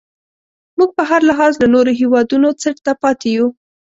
موږ په هر لحاظ له نورو هیوادونو څټ ته پاتې یو.